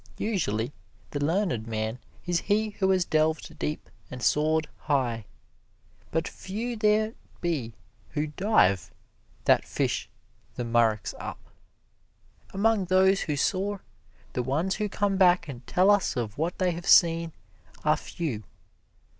Usually, the learned man is he who has delved deep and soared high. But few there be who dive, that fish the murex up. Among those who soar, the ones who come back and tell us of what they have seen, are few.